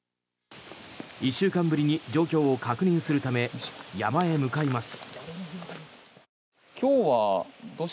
１週間ぶりに状況を確認するため山へ向かいます。